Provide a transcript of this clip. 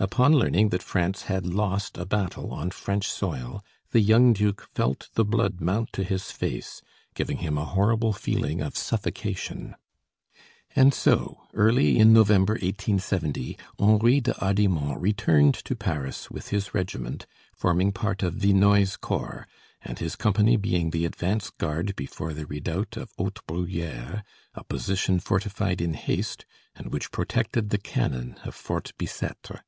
Upon learning that France had lost a battle on French soil, the young duke felt the blood mount to his face, giving him a horrible feeling of suffocation. And so, early in November, 1870, Henri de Hardimont returned to Paris with his regiment, forming part of Vinoy's corps, and his company being the advance guard before the redoubt of Hautes Bruyères, a position fortified in haste, and which protected the cannon of Fort Bicêtre.